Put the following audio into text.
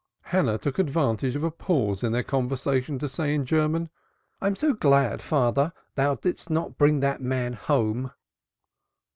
Hannah took advantage of a pause in their conversation to say in German: "I am so glad, father, thou didst not bring that man home."